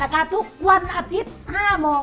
ของคุณยายถ้วน